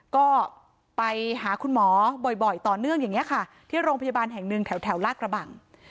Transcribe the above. ก็ไปหาคุณหมอบ่อยต่อเนื่องอย่างนี้ค่ะที่โรงพยาบาลแห่งหนึ่งแถวลากระบัง